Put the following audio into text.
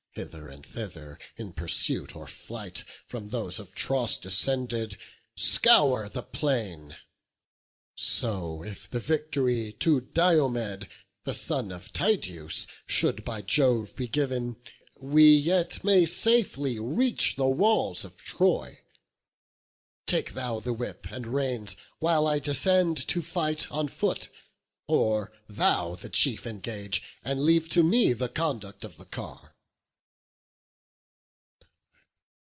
Hither and thither, in pursuit or flight, From those of Tros descended, scour the plain. So if the victory to Diomed, The son of Tydeus, should by Jove be giv'n, We yet may safely reach the walls of Troy. Take thou the whip and reins, while I descend To fight on foot; or thou the chief engage, And leave to me the conduct of the car."